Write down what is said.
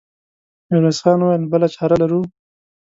ميرويس خان وويل: بله چاره لرو؟